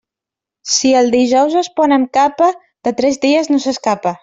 Si el dijous es pon amb capa, de tres dies no s'escapa.